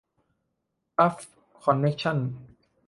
กัลฟ์ คอนเนคชั่น